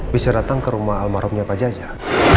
bisa datang ke rumah almarhumnya pak jajah